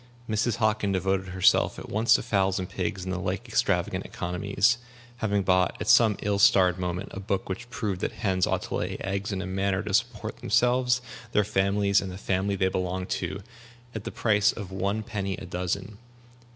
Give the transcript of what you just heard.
Mrs. Hockin devoted herself at once to fowls and pigs and the like extravagant economies, having bought, at some ill starred moment, a book which proved that hens ought to lay eggs in a manner to support themselves, their families, and the family they belonged to, at the price of one penny a dozen.